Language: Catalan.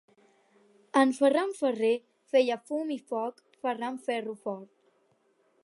En Ferran Ferrer feia fum i foc ferrant ferro fort.